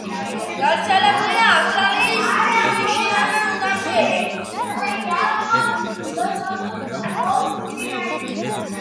გავრცელებულია ავსტრალიის ქვიშიან უდაბნოებში.